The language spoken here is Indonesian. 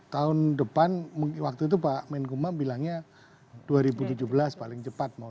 tahun depan waktu itu pak menkumham bilangnya dua ribu tujuh belas paling cepat